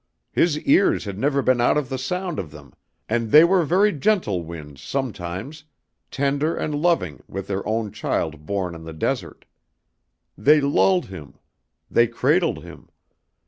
His ears had never been out of the sound of them and they were very gentle winds sometimes, tender and loving with their own child born on the desert. They lulled him. They cradled him.